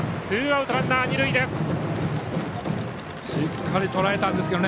ツーアウト、ランナー、二塁です。